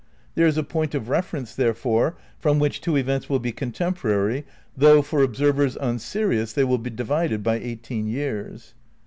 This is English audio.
There is a point of reference, therefore, from which two events will be contemporary, though, for observers on Sirius, they wiU be divided by eighteen years.